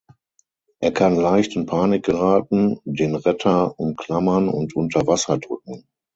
Er kann leicht in Panik geraten, den Retter umklammern und unter Wasser drücken.